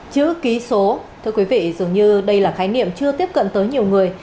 chữ ký số thưa quý vị dường như đây là khái niệm chưa tiếp cận tới nhiều người